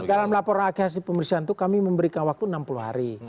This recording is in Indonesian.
dalam laporan akhs di pemerintahan itu kami memberikan waktu enam puluh hari